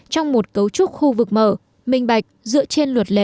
trong một cấu trúc khu vực mở minh bạch dựa trên luật lệ